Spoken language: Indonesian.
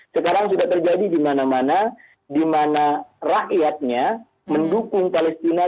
sekarang sudah terjadi di mana mana di mana rakyatnya mendukung palestina